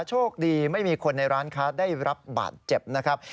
โชคดีไม่มีคนในร้านค้าได้รับบาดเจ็บนะครับ